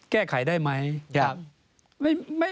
แก้ไขได้ไหม